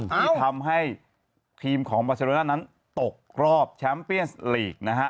ที่ทำให้ทีมของบาเซโรน่านั้นตกรอบแชมป์เปียนส์ลีกนะฮะ